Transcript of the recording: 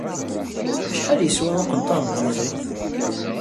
Acḥal yeswa uqenṭar n temẓin?